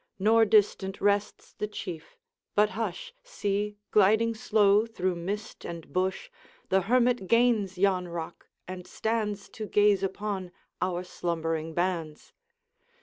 Nor distant rests the Chief; but hush! See, gliding slow through mist and bush, The hermit gains yon rock, and stands To gaze upon our slumbering bands.